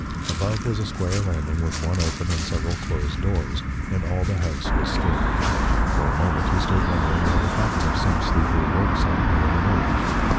Above was a square landing with one open and several closed doors; and all the house was still. For a moment he stood wondering what would happen if some sleeper woke suddenly and emerged.